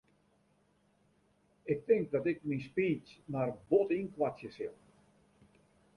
Ik tink dat ik myn speech mar bot ynkoartsje sil.